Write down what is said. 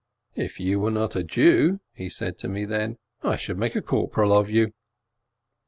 "If you were not a Jew," he said to me then, "I should make a corporal of you."